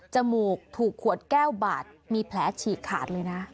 มูกถูกขวดแก้วบาดมีแผลฉีกขาดเลยนะ